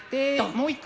もう一回。